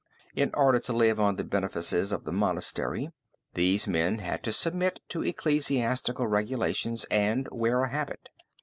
In order to live on the benefices of the monastery these men had to submit to ecclesiastical regulations and wear the habit.